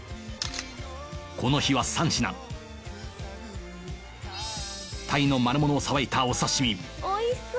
この日は３品タイの丸物をさばいたお刺し身おいしそう！